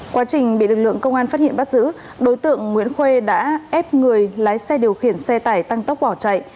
quá trình bị lực lượng công an phát hiện bắt giữ đối tượng nguyễn khuê đã ép người lái xe điều khiển xe tải tăng tốc bỏ chạy